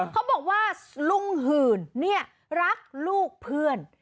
เขาบอกว่าลุงหื่นเนี่ยรักลูกเพื่อน